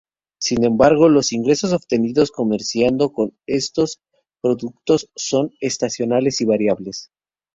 Sin embargo, los ingresos obtenidos comerciando con estos productos son estacionales y variables.